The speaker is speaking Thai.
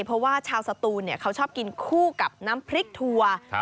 เพราะว่าชาวสตูนเขาชอบกินคู่กับน้ำพริกทัวร์